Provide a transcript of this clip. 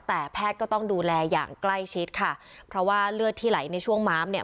แต่แพทย์ก็ต้องดูแลอย่างใกล้ชิดค่ะเพราะว่าเลือดที่ไหลในช่วงม้ามเนี่ย